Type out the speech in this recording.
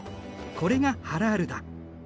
これがハラールだ。